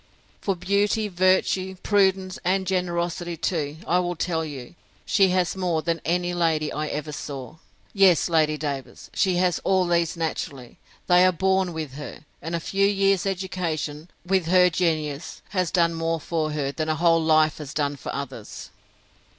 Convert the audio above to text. For beauty, virtue, prudence, and generosity too, I will tell you, she has more than any lady I ever saw. Yes, Lady Davers, she has all these naturally; they are born with her; and a few years' education, with her genius, has done more for her, than a whole life has done for others.